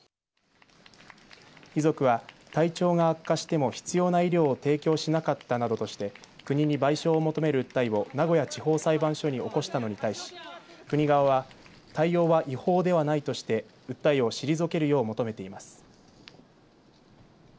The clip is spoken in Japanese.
遺族は体調が悪化しても必要な医療を提供しなかったなどとして国に賠償を求める訴えを名古屋地方裁判所に起こしたのに対し、国側は対応は違法ではないとして訴えを退けるよう求めています。